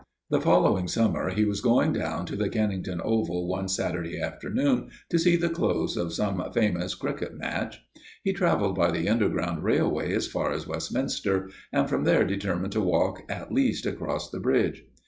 "The following summer he was going down to the Kennington Oval one Saturday afternoon to see the close of some famous cricket match. He travelled by the Underground Railway as far as Westminster, and from there determined to walk at least across the Bridge.